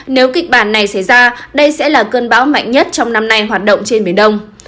nếu kịch bản này xảy ra đây sẽ là cơn bão mạnh nhất trong năm nay hoạt động trên biển đông